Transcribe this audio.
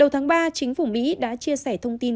đầu tháng ba chính phủ mỹ đã chia sẻ thông tin